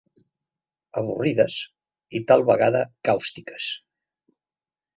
Avorrides i, tal vegada, càustiques.